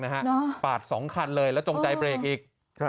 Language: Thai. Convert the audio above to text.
นะฮะปาดสองคันเลยแล้วจงใจเบรกอีก